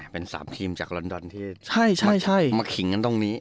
เป็น๓ทีมจากลอนดอนที่มาขิงกันตรงนี้